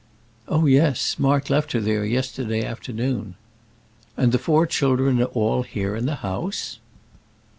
"Oh, yes; Mark left her there yesterday afternoon." "And the four children are all here in the house?"